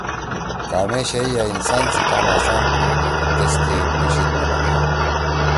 کامے شئی یأ انسان سی کام آسان کودُو تیس کے مشیِن بنَدی۔